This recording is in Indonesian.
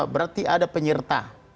berarti ada penyerta